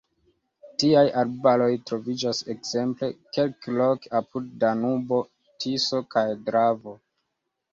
Tiaj arbaroj troviĝas ekzemple kelkloke apud Danubo, Tiso kaj Dravo.